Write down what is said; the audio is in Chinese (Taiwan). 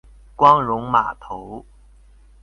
光榮碼頭